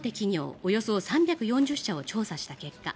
およそ３４０社を調査した結果